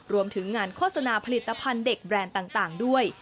รวมถึงงานโฆษณาผลิตภัณฑ์เด็กแบรนด์ต่างด้วย